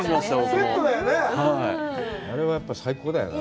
あれはやっぱり最高だよなぁ。